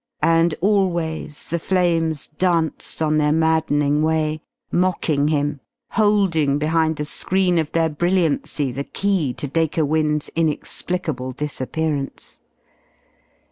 And always the flames danced on their maddening way, mocking him, holding behind the screen of their brilliancy the key to Dacre Wynne's inexplicable disappearance.